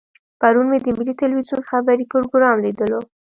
پرون مې د ملي ټلویزیون خبري پروګرام لیدلو.